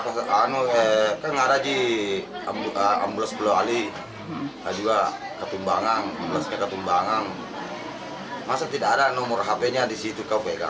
kan ada di ambrose beluali ketumbangang masa tidak ada nomor hp nya di situ